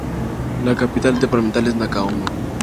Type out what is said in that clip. La capital departamental es Nacaome.